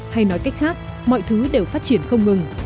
hay nói cách khác mọi thứ đều phát triển không ngừng